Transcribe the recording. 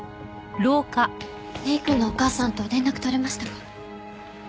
礼くんのお母さんと連絡取れましたか？